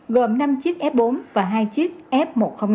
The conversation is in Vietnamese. gồm năm chiếc f bốn và hai chiếc f một trăm linh năm